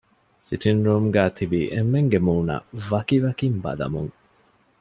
ސިޓިންގ ރޫމްގައި ތިބި އެންމެންގެ މޫނަށް ވަކިވަކިން ބަލަމުން